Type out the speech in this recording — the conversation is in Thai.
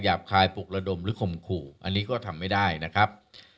คายปลุกระดมหรือข่มขู่อันนี้ก็ทำไม่ได้นะครับ